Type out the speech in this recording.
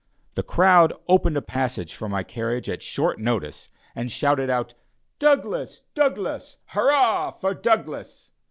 The crowd opened a passage for my carriage at short notice, and shouted out "Douglas, Douglas, hurrah for Douglas."